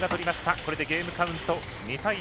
これでゲームカウント、２対１。